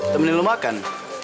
temenin lo makan